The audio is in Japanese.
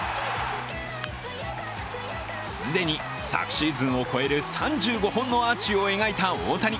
既に昨シーズンを超える３５本のアーチを描いた大谷。